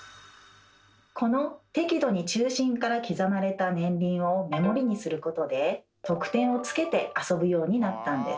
この適度に中心から刻まれた年輪を目盛りにすることで得点をつけて遊ぶようになったんです。